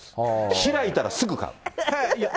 開いたらすぐ買う。